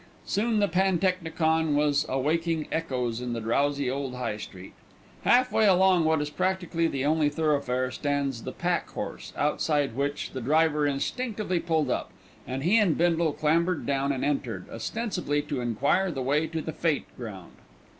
Soon the pantechnicon was awaking echoes in the drowsy old High Street. Half way along what is practically the only thoroughfare stands the Pack Horse, outside which the driver instinctively pulled up, and he and Bindle clambered down and entered, ostensibly to enquire the way to the Fête ground.